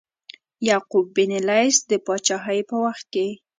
یعقوب بن لیث د پاچهۍ په وخت کې.